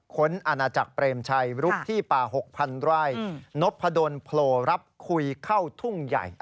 คนอาณาจักรเปรมชัยลุกที่ป่า๖๐๐ไร่นพดลโผล่รับคุยเข้าทุ่งใหญ่